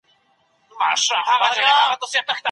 منطقي تسلسل ستاسو لیکنه باوري او پیاوړې کوي.